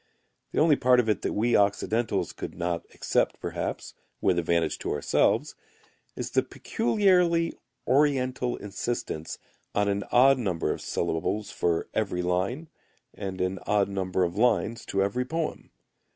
The only part of it that we Occidentals could not accept perhaps, with advantage to ourselves, is the peculiarly Oriental insistence on an odd number of syllables for every line and an odd number of lines to every poem.